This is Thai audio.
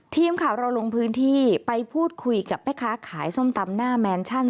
ทีมข่าวเราลงพื้นที่ไปพูดคุยกับแม่ค้าขายส้มตำหน้าแมนชั่น